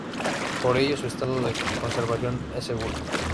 Por ello su estado de conservación es seguro.